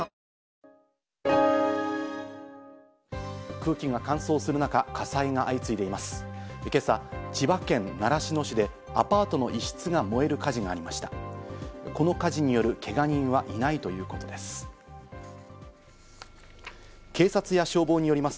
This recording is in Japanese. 空気が乾燥する中、火災が相次いでいます。